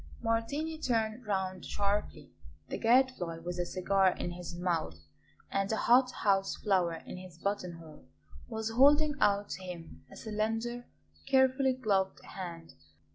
Martini turned round sharply. The Gadfly, with a cigar in his mouth and a hot house flower in his buttonhole, was holding out to him a slender, carefully gloved hand.